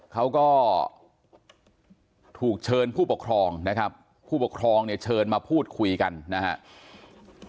เขาก็ถูกเชิญผู้ปกครองนะครับผู้ปกครองเนี่ยเชิญมาพูดคุยกันนะครับ